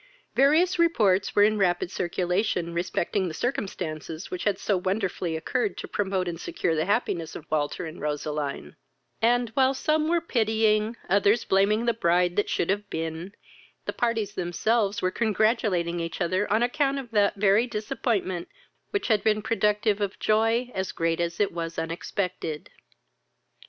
Various reports were in rapid circulation respecting the circumstances which had so wonderfully concurred to promote and secure the happiness of Walter and Roseline; and, while some were pitying, others blaming the bride that should have been, the parties themselves were congratulating each other on account of that very disappointment which had been productive of joy as great as it was unexpected.